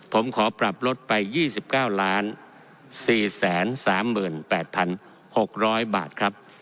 ผมขอปรับลดไปยี่สิบเก้าล้านสี่แสนสามหมื่นแปดพันหกร้อยบาทครับ